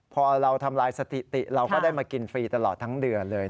พอเราทำลายสถิติเราก็ได้มากินฟรีตลอดทั้งเดือนเลย